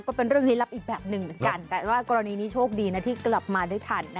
ก็เป็นเรื่องลี้ลับอีกแบบหนึ่งเหมือนกันแต่ว่ากรณีนี้โชคดีนะที่กลับมาได้ทัน